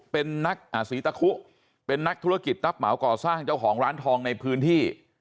เป็นนักธุรกิจตับเหมาก่อสร้างเจ้าของร้านทองในพื้นที่